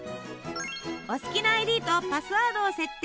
お好きなＩＤとパスワードを設定。